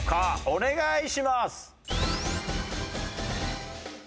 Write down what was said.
お願いします。